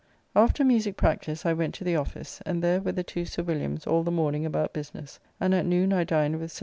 After musique practice I went to the office, and there with the two Sir Williams all the morning about business, and at noon I dined with Sir W.